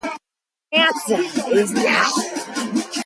But he failed to realize any part of his projects.